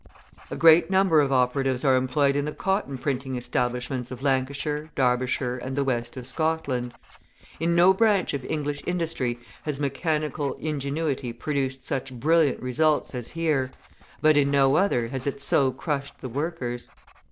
A great number of operatives are employed in the cotton printing establishments of Lancashire, Derbyshire, and the West of Scotland. In no branch of English industry has mechanical ingenuity produced such brilliant results as here, but in no other has it so crushed the workers.